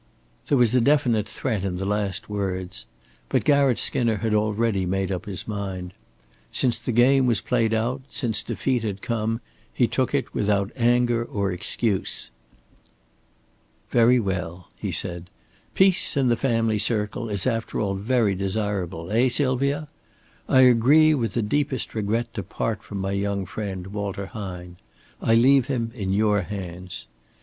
There was a definite threat in the last words. But Garratt Skinner had already made up his mind. Since the game was played out, since defeat had come, he took it without anger or excuse. "Very well," he said. "Peace in the family circle is after all very desirable eh, Sylvia? I agree with the deepest regret to part from my young friend, Walter Hine. I leave him in your hands."